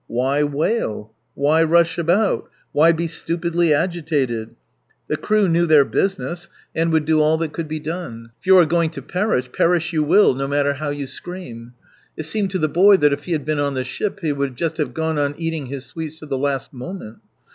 Why wail, why rush about, why be stupidly agitated ? The crew inew their business and would do 215 all that could be done. If you are going to perish, perish you will, no matter how you scream. It seemed to the boy that if he had been on the ship he would just have gone on eating his sweets to the last moment.